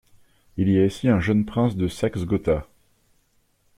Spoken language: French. Il y a ici un jeune prince de Saxe-Gotha.